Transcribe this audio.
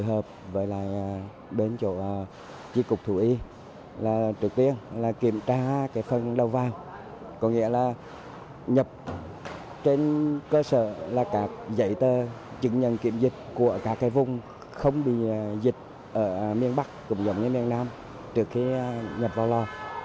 ở miền bắc cùng dòng với miền nam trước khi nhập vào lò